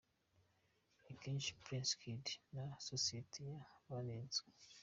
Ni kenshi Prince Kid na Sosiyete ye banenzwe….